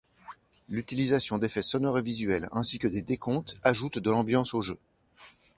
L'utilisation d'effets sonores et visuels ainsi que des décomptes ajoutent de l'ambiance au jeu.